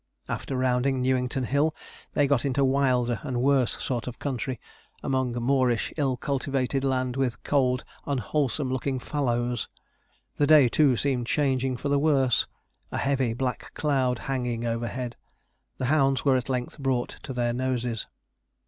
After rounding Newington Hill, they got into a wilder and worse sort of country, among moorish, ill cultivated land, with cold unwholesome looking fallows. The day, too, seemed changing for the worse; a heavy black cloud hanging overhead. The hounds were at length brought to their noses.